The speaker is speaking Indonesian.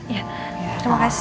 iya terima kasih